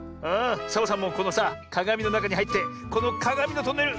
サボさんもこのさかがみのなかにはいってこのかがみのトンネル